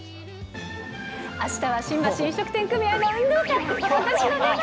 あしたは新橋飲食店組合の運動会。